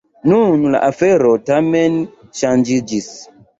Nun la afero tamen ŝanĝiĝis.